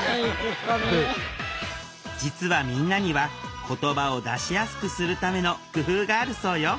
実はみんなには言葉を出しやすくするための工夫があるそうよ。